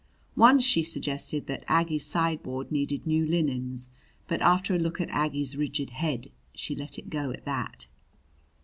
Once she suggested that Aggie's sideboard needed new linens, but after a look at Aggie's rigid head she let it go at that.